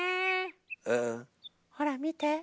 ほらみて。